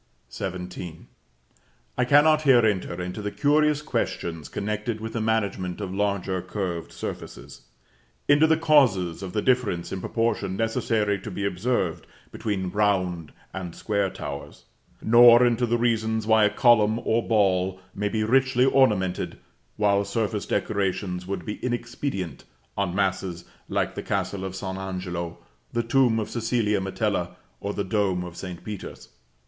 [Illustration: PLATE V. (Page 88 Vol. V.) CAPITAL FROM THE LOWER ARCADE OF THE DOGE'S PALACE, VENICE.] XVII. I cannot here enter into the curious questions connected with the management of larger curved surfaces; into the causes of the difference in proportion necessary to be observed between round and square towers; nor into the reasons why a column or ball may be richly ornamented, while surface decorations would be inexpedient on masses like the Castle of St. Angelo, the tomb of Cecilia Metella, or the dome of St. Peter's.